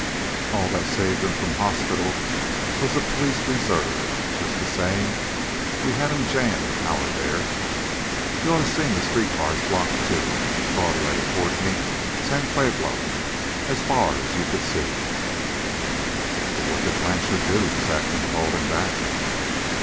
All that saved 'em from hospital was the police reserves. Just the same we had 'em jammed an hour there. You oughta seen the street cars blocked, too Broadway, Fourteenth, San Pablo, as far as you could see." "But what did Blanchard do?" Saxon called him back.